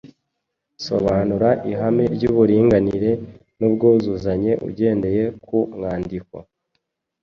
Sobanura ihame ry’uburinganire n’ubwuzuzanye ugendeye ku mwandiko